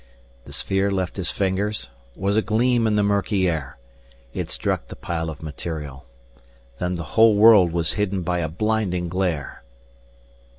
The sphere left his fingers, was a gleam in the murky air. It struck the pile of material. Then the whole world was hidden by a blinding glare.